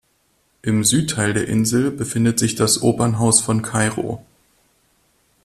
Im Südteil der Insel befindet sich das Opernhaus von Kairo.